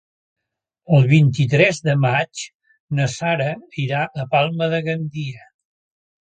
El vint-i-tres de maig na Sara irà a Palma de Gandia.